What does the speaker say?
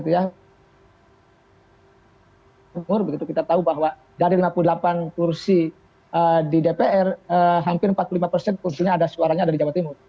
timur begitu kita tahu bahwa dari lima puluh delapan kursi di dpr hampir empat puluh lima persen kursinya ada suaranya ada di jawa timur